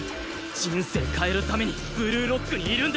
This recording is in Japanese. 人生変えるためにブルーロックにいるんだ！